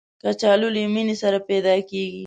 کچالو له مینې سره پیدا کېږي